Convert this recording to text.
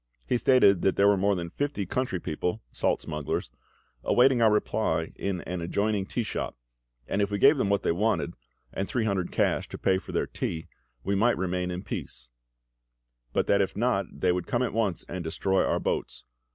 He stated that there were more than fifty country people (salt smugglers) awaiting our reply in an adjoining tea shop; and if we gave them what they wanted, and three hundred cash to pay for their tea, we might remain in peace; but that if not, they would come at once and destroy our boats.